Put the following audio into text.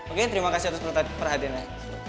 oke terima kasih atas perhatiannya